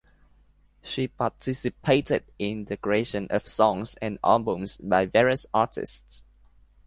She participated in the creation of songs and albums by various artists.